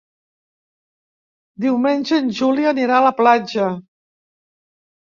Diumenge en Juli anirà a la platja.